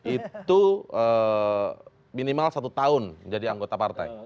itu minimal satu tahun menjadi anggota partai